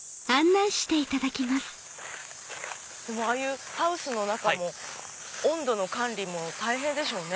ああいうハウスの中も温度の管理も大変でしょうね。